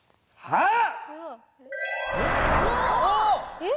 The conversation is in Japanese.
はい。